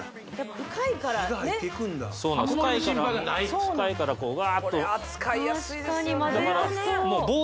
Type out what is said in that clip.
深いからこうわっと扱いやすいですね